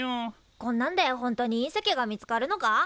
こんなんで本当に隕石が見つかるのか？